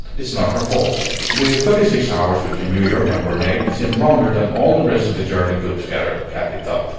It's not her fault." The thirty six hours between New York and Burnet seemed longer than all the rest of the journey put together, Katy thought.